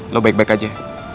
lo baik baik aja